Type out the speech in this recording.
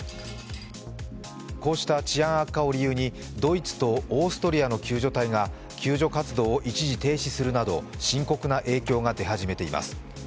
こうした治安悪化を理由にドイツとオーストリアの救助隊が救助活動を一時停止するなど深刻な影響が出始めています。